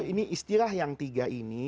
ini istilah yang tiga ini